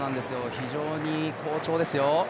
非常に好調ですよ。